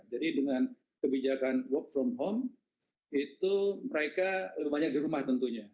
jadi dengan kebijakan work from home itu mereka lebih banyak di rumah tentunya